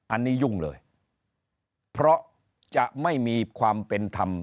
อันนี้ยุ่งเลยเพราะจะไม่มีความเป็นธรรม